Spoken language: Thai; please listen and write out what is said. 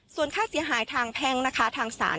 ส่วนค่าเสียหายทางแพ่งนะคะทางศาล